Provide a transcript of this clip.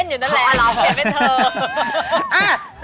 ก็ละครที่เธอกำลังเล่นอยู่นั่นแหละเห็นเป็นเธอ